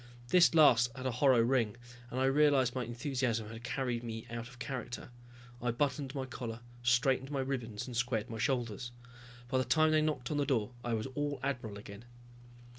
This last had a hollow ring, and I realized my enthusiasm had carried me out of character. I buttoned my collar, straightened my ribbons and squared my shoulders. By the time they knocked on the door I was all admiral again.